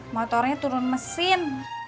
motornya turun mesin